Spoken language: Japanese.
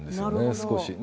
少し。